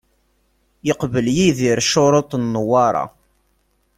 Yeqbel Yidir ccuruṭ n Newwara.